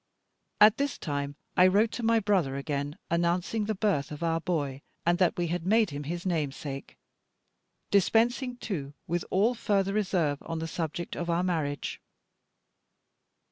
At this time I wrote to my brother again, announcing the birth of our boy, and that we had made him his namesake; dispensing, too, with all further reserve on the subject of our marriage.